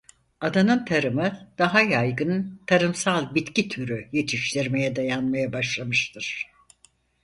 Adanın tarımı daha yaygın tarımsal bitki türü yetiştirmeye dayanmaya başlamıştır.